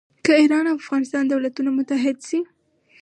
که ایران او افغانستان دولتونه متحد شي.